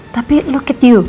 tapi lihatlah kamu